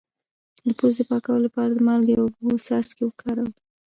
د پوزې د پاکوالي لپاره د مالګې او اوبو څاڅکي وکاروئ